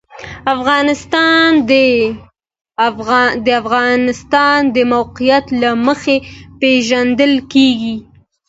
افغانستان د د افغانستان د موقعیت له مخې پېژندل کېږي.